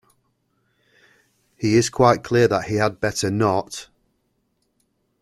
He is quite clear that he had better not.